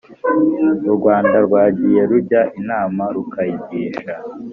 u rwanda rwagiye rujya inama, rukayigisha;